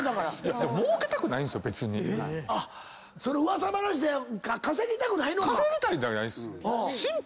噂話で稼ぎたくないのか。